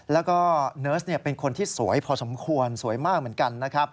แล้วก็เนิร์สเป็นคนที่สวยพอสมควรสวยมากเหมือนกันนะครับ